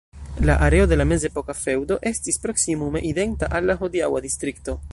La areo de la mezepoka feŭdo estis proksimume identa al la hodiaŭa distrikto.